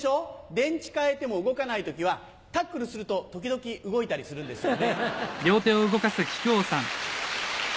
電池替えても動かない時はタックルすると時々動いたりするんですよね。